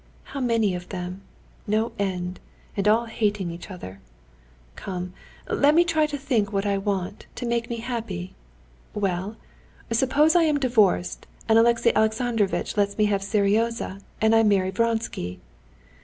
How many of them, no end, and all hating each other! Come, let me try and think what I want, to make me happy. Well? Suppose I am divorced, and Alexey Alexandrovitch lets me have Seryozha, and I marry Vronsky."